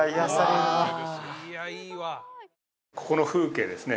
ここの風景ですね